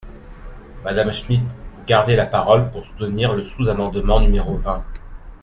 Madame Schmid, vous gardez la parole, pour soutenir le sous-amendement numéro vingt.